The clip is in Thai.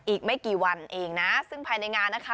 อีกไม่กี่วันเองนะซึ่งภายในงานนะคะ